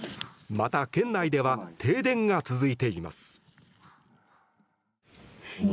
また、県内では停電が続いています。